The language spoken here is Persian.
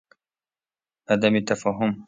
عدم تفاهم